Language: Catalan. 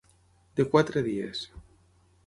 De quatre dies.